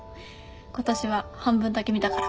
今年は半分だけ見たから。